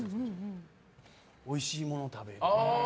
おいしいものを食べる。